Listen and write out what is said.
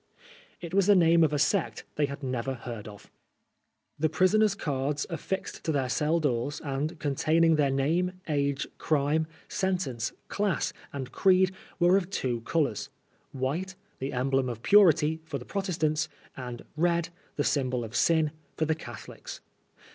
It was the name of a sect they had never heard of. The prisoners' cards, afKxed to their cell doors, and containing their name, age, crime, sentence, class and creed, were of two colors— white (the emblem of purity) for the Protestants, and red (the symbol of sin) for the Catholics.